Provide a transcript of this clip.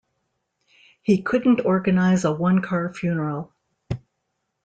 He couldn't organize a one-car funeral.